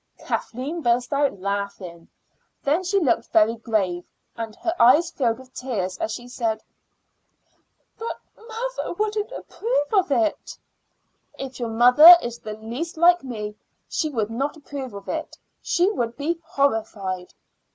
Kathleen burst out laughing; then she looked very grave, and her eyes filled with tears as she said: "But wouldn't mother approve of it?" "If your mother is the least like me she would not approve of it; she would be horrified."